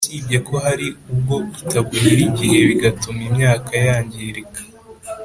usibye ko hari ubwo itagwira igihe bigatuma imyaka yangirika